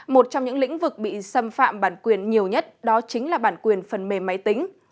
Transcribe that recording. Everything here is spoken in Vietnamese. một trong những lĩnh vực bị xâm phạm bản quyền nhiều nhất đó chính là bản quyền phần mềm máy tính